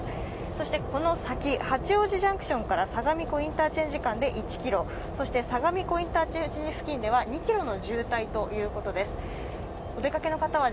そして、この先、八王子ジャンクションから相模湖インターチェンジ付近までは１ｋｍ、相模湖インターチェンジ付近では２ｋｍの渋滞ということです。